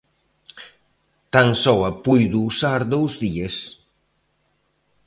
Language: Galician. Tan só a puido usar dous días.